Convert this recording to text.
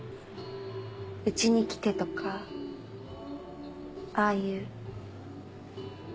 うちに来てとかああいう。